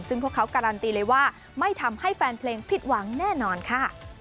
ซึ่งพวกเขาการันตีเลยว่าไม่ทำให้แฟนเพลงผิดหวังแน่นอนค่ะ